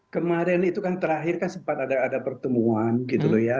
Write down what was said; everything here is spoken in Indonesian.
kemarin itu kan terakhir kan sempat ada pertemuan gitu loh ya